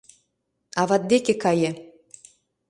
Ават деке кае!..